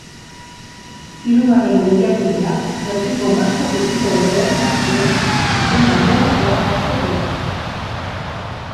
Hirugarren lehiakideak erdiko mastatik igo behar izan zuen azken banderatxoa hartzeko.